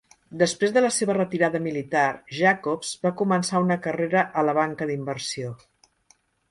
Després de la seva retirada militar, Jacobs va començar una carrera a la banca d'inversió.